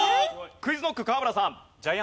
ＱｕｉｚＫｎｏｃｋ河村さん。